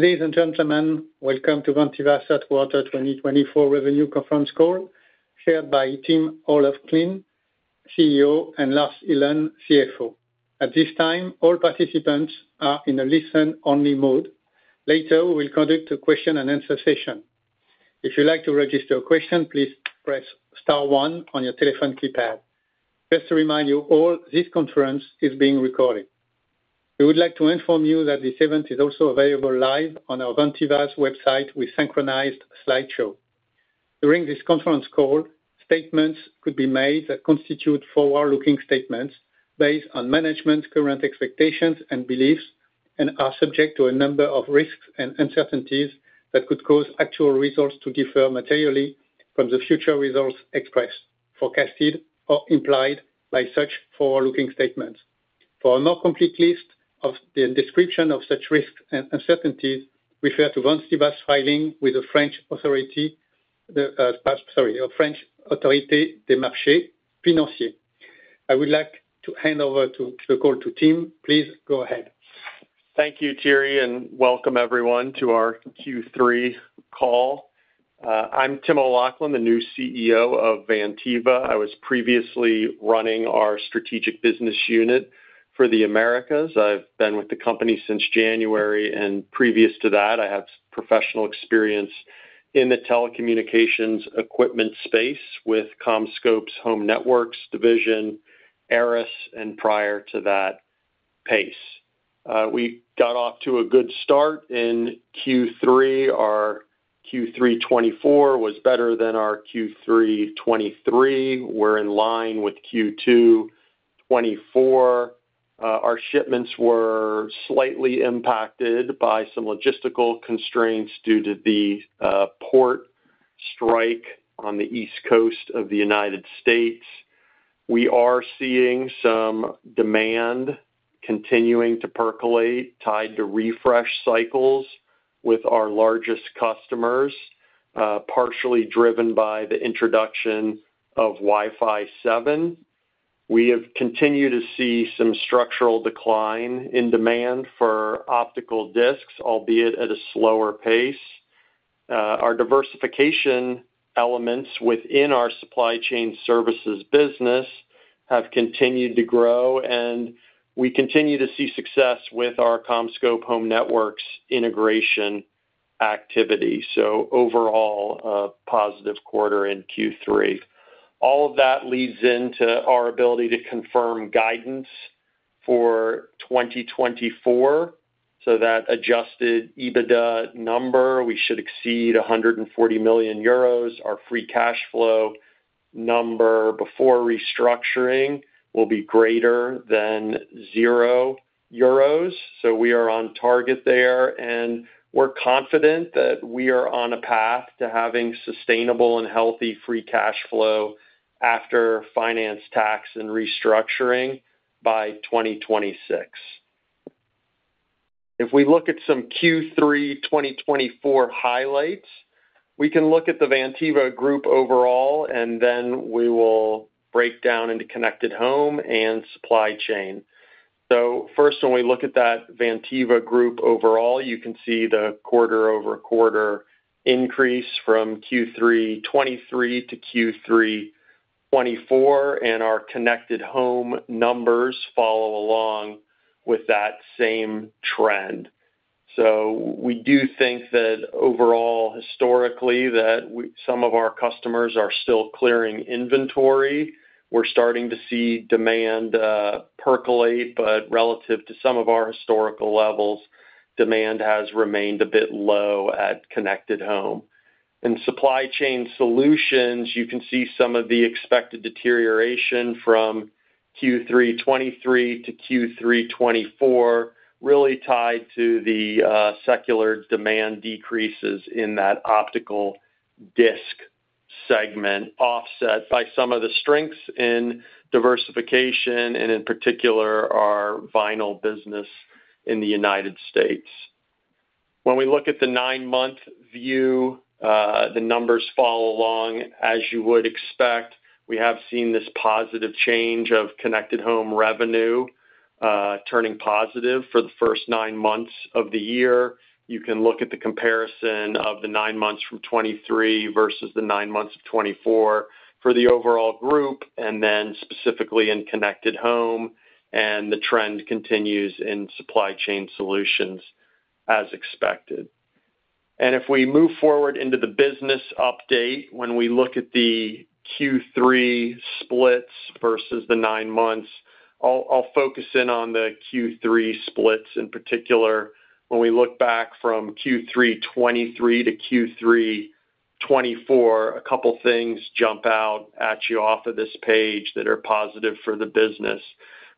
Ladies and gentlemen, welcome to Vantiva Third Quarter 2024 Revenue Conference Call, chaired by Tim O'Loughlin, CEO, and Lars Ihlen, CFO. At this time, all participants are in a listen-only mode. Later, we will conduct a question-and-answer session. If you'd like to register a question, please press star one on your telephone keypad. Just to remind you all, this conference is being recorded. We would like to inform you that this event is also available live on Vantiva's website with a synchronized slideshow. During this conference call, statements could be made that constitute forward-looking statements based on management's current expectations and beliefs and are subject to a number of risks and uncertainties that could cause actual results to differ materially from the future results expressed, forecasted, or implied by such forward-looking statements. For a more complete list of the description of such risks and uncertainties, refer to Vantiva's filing with the French authority. Sorry, the French Autorité des Marchés Financiers. I would like to hand over the call to Tim. Please go ahead. Thank you, Thierry, and welcome everyone to our Q3 call. I'm Tim O'Loughlin, the new CEO of Vantiva. I was previously running our strategic business unit for the Americas. I've been with the company since January, and previous to that, I have professional experience in the telecommunications equipment space with CommScope's Home Networks division, ARRIS, and prior to that, Pace. We got off to a good start in Q3. Our Q3 2024 was better than our Q3 2023. We're in line with Q2 2024. Our shipments were slightly impacted by some logistical constraints due to the port strike on the East Coast of the United States. We are seeing some demand continuing to percolate, tied to refresh cycles with our largest customers, partially driven by the introduction of Wi-Fi 7. We have continued to see some structural decline in demand for optical discs, albeit at a slower pace. Our diversification elements within our Supply Chain services business have continued to grow, and we continue to see success with our CommScope Home Networks integration activity. So overall, a positive quarter in Q3. All of that leads into our ability to confirm guidance for 2024. So that Adjusted EBITDA number, we should exceed 140 million euros. Our free cash flow number before restructuring will be greater than 0 euros. So we are on target there, and we're confident that we are on a path to having sustainable and healthy free cash flow after finance tax and restructuring by 2026. If we look at some Q3 2024 highlights, we can look at the Vantiva Group overall, and then we will break down into Connected Home and Supply Chain. First, when we look at that Vantiva Group overall, you can see the quarter-over-quarter increase from Q3 2023 to Q3 2024, and our Connected Home numbers follow along with that same trend. So we do think that overall, historically, that some of our customers are still clearing inventory. We're starting to see demand percolate, but relative to some of our historical levels, demand has remained a bit low at Connected Home. In Supply Chain Solutions, you can see some of the expected deterioration from Q3 2023 to Q3 2024, really tied to the secular demand decreases in that optical disc segment offset by some of the strengths in diversification, and in particular, our vinyl business in the United States. When we look at the nine-month view, the numbers follow along as you would expect. We have seen this positive change of Connected Home revenue turning positive for the first nine months of the year. You can look at the comparison of the nine months from 2023 versus the nine months of 2024 for the overall group, and then specifically in Connected Home, and the trend continues in Supply Chain Solutions as expected. And if we move forward into the business update, when we look at the Q3 splits versus the nine months, I'll focus in on the Q3 splits in particular. When we look back from Q3 2023 to Q3 2024, a couple of things jump out at you off of this page that are positive for the business.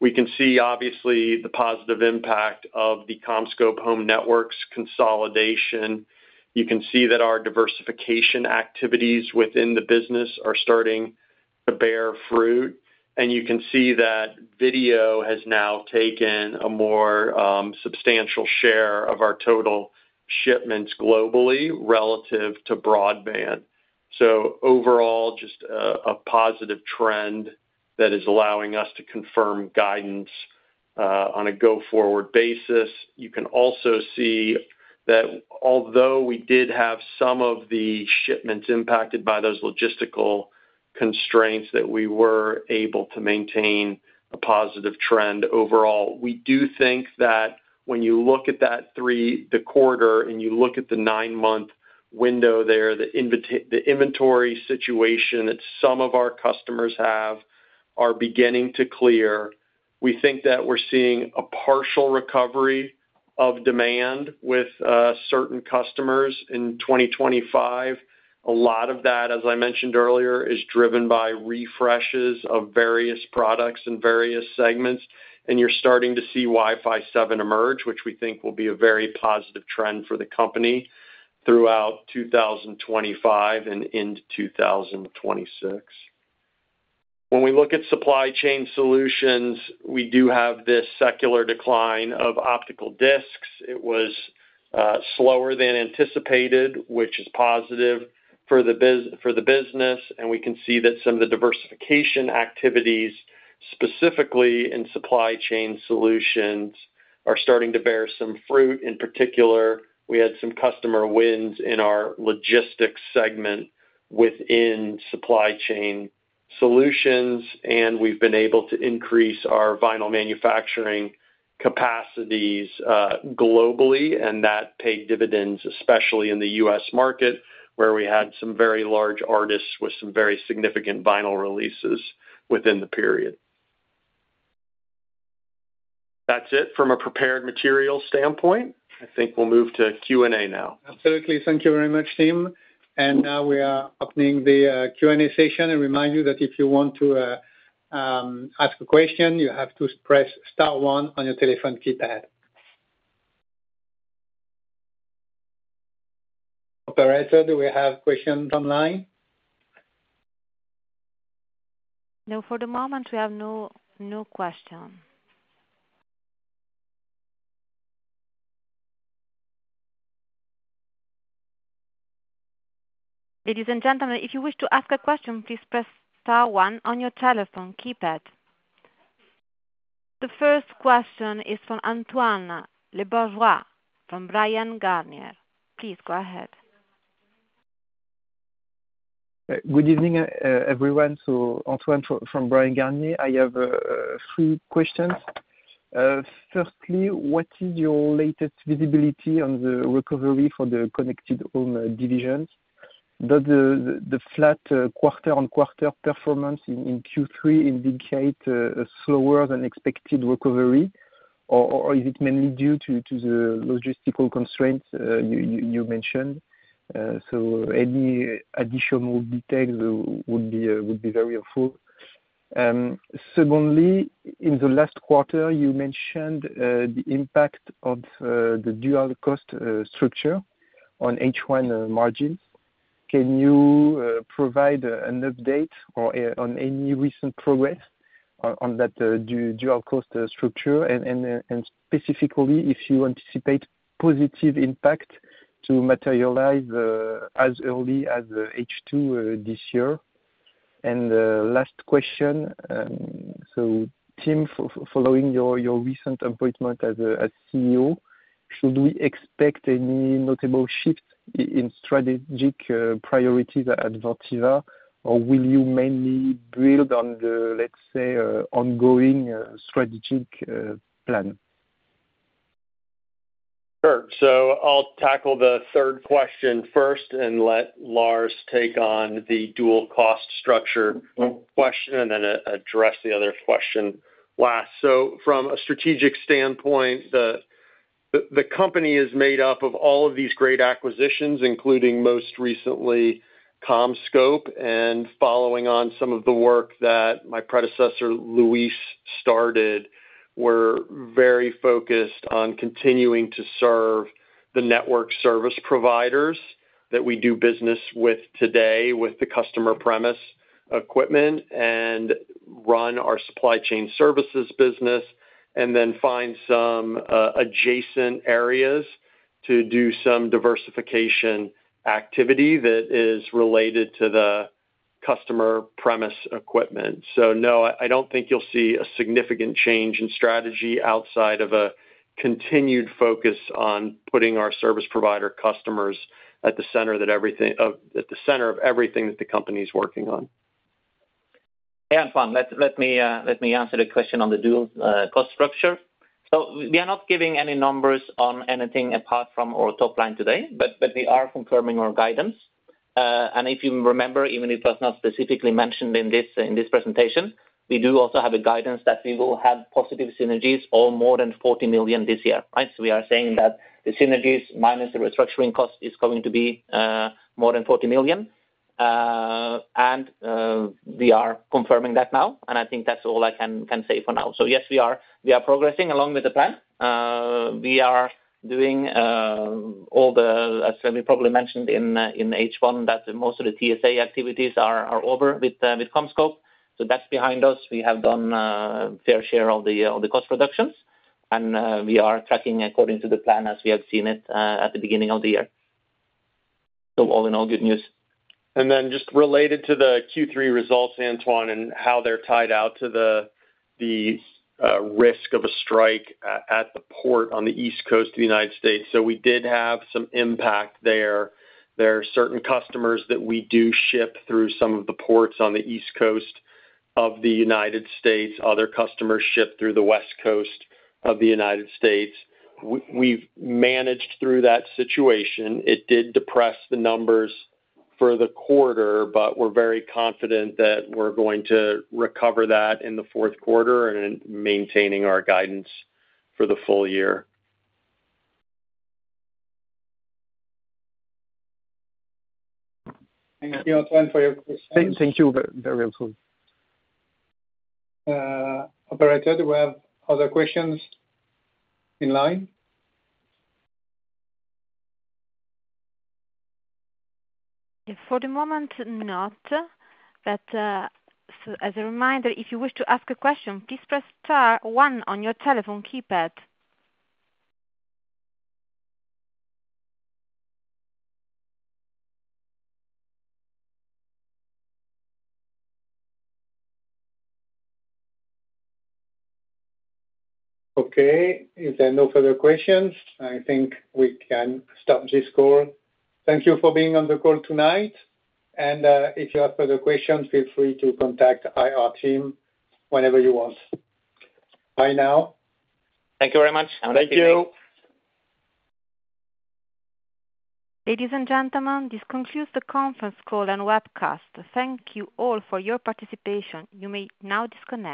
We can see, obviously, the positive impact of the CommScope Home Networks consolidation. You can see that our diversification activities within the business are starting to bear fruit, and you can see that video has now taken a more substantial share of our total shipments globally relative to broadband, so overall, just a positive trend that is allowing us to confirm guidance on a go-forward basis. You can also see that although we did have some of the shipments impacted by those logistical constraints, that we were able to maintain a positive trend overall. We do think that when you look at that quarter and you look at the nine-month window there, the inventory situation that some of our customers have are beginning to clear. We think that we're seeing a partial recovery of demand with certain customers in 2025. A lot of that, as I mentioned earlier, is driven by refreshes of various products and various segments, and you're starting to see Wi-Fi 7 emerge, which we think will be a very positive trend for the company throughout 2025 and into 2026. When we look at supply chain solutions, we do have this secular decline of optical discs. It was slower than anticipated, which is positive for the business, and we can see that some of the diversification activities, specifically in supply chain solutions, are starting to bear some fruit. In particular, we had some customer wins in our logistics segment within supply chain solutions, and we've been able to increase our vinyl manufacturing capacities globally, and that paid dividends, especially in the U.S. market, where we had some very large artists with some very significant vinyl releases within the period. That's it from a prepared materials standpoint. I think we'll move to Q&A now. Absolutely. Thank you very much, Tim. And now we are opening the Q&A session. I remind you that if you want to ask a question, you have to press star one on your telephone keypad. Operator, do we have questions online? No, for the moment, we have no question. Ladies and gentlemen, if you wish to ask a question, please press star one on your telephone keypad. The first question is from Antoine Le Bourgeois from Bryan Garnier. Please go ahead. Good evening, everyone. So Antoine from Bryan Garnier. I have three questions. Firstly, what is your latest visibility on the recovery for the Connected Home divisions? Does the flat quarter-on-quarter performance in Q3 indicate a slower than expected recovery, or is it mainly due to the logistical constraints you mentioned? So any additional details would be very helpful. Secondly, in the last quarter, you mentioned the impact of the dual-cost structure on H1 margins. Can you provide an update on any recent progress on that dual-cost structure? And specifically, if you anticipate positive impact to materialize as early as H2 this year? And last question. So Tim, following your recent appointment as CEO, should we expect any notable shift in strategic priorities at Vantiva, or will you mainly build on the, let's say, ongoing strategic plan? Sure, so I'll tackle the third question first and let Lars take on the dual-cost structure question and then address the other question last, so from a strategic standpoint, the company is made up of all of these great acquisitions, including most recently CommScope. Following on some of the work that my predecessor, Luis, started, we're very focused on continuing to serve the network service providers that we do business with today with the customer premises equipment and run our supply chain services business, and then find some adjacent areas to do some diversification activity that is related to the customer premises equipment, so no, I don't think you'll see a significant change in strategy outside of a continued focus on putting our service provider customers at the center of everything that the company is working on. Yeah, Antoine, let me answer the question on the dual-cost structure. So we are not giving any numbers on anything apart from our top line today, but we are confirming our guidance. And if you remember, even if it was not specifically mentioned in this presentation, we do also have a guidance that we will have positive synergies of more than 40 million this year. Right? So we are saying that the synergies minus the restructuring cost is going to be more than 40 million. And we are confirming that now, and I think that's all I can say for now. So yes, we are progressing along with the plan. We are doing all the, as we probably mentioned in H1, that most of the TSA activities are over with CommScope. So that's behind us. We have done a fair share of the cost reductions, and we are tracking according to the plan as we have seen it at the beginning of the year. So all in all, good news. And then, just related to the Q3 results, Antoine, and how they're tied out to the risk of a strike at the port on the East Coast of the United States. So we did have some impact there. There are certain customers that we do ship through some of the ports on the East Coast of the United States. Other customers ship through the West Coast of the United States. We've managed through that situation. It did depress the numbers for the quarter, but we're very confident that we're going to recover that in the fourth quarter and maintaining our guidance for the full year. Thank you, Antoine, for your question. Thank you. Very helpful. Operator, do we have other questions in line? For the moment, not. But as a reminder, if you wish to ask a question, please press star one on your telephone keypad. Okay. If there are no further questions, I think we can stop this call. Thank you for being on the call tonight, and if you have further questions, feel free to contact our team whenever you want. Bye now. Thank you very much. Thank you. Ladies and gentlemen, this concludes the conference call and webcast. Thank you all for your participation. You may now disconnect.